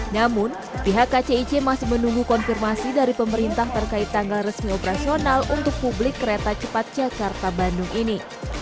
namun pihak kcic masih menunggu konfirmasi dari pemerintah terkait tanggal resmi operasional untuk publik kereta cepat jakarta bandung ini